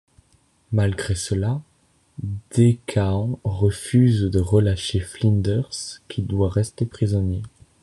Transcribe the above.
Malgré cela, Decaen refuse de relâcher Flinders qui doit rester prisonnier.